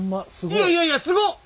いやいやいやすごっ！